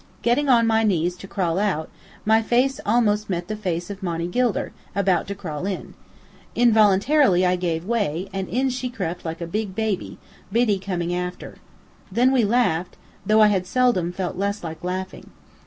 Getting on my knees to crawl out, my face almost met the face of Monny Gilder, about to crawl in. Involuntarily I gave way, and in she crept like a big baby, Biddy coming after. Then we laughed, though I had seldom felt less like laughing.